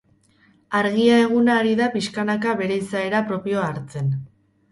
Argia eguna ari da pixkanaka bere izaera propioa hartzen.